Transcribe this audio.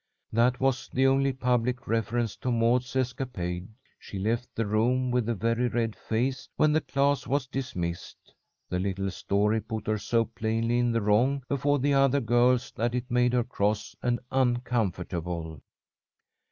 That was the only public reference to Maud's escapade. She left the room with a very red face when the class was dismissed. The little story put her so plainly in the wrong before the other girls that it made her cross and uncomfortable.